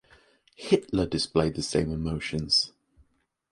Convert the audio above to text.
Hitler displayed the same emotions.